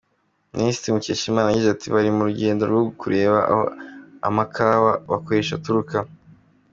Minisitiri Mukeshimana yagize ati “Bari mu rugendo rwo kureba aho amakawa bakoresha aturuka.